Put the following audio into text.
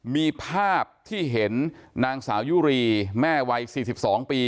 มีภาพที่เห็นนางสาวยุรีแม่วัย๔๒ปี